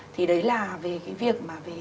thì đấy là về cái việc mà